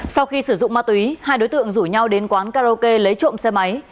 sau khi sử dụng ma túy hai đối tượng rủ nhau đến quán karaoke lấy trộm xe máy